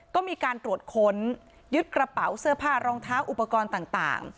ก็มีการตรวจค้นยึดกระเป๋าเสื้อผ้ารองเท้าอุปกรณ์ต่าง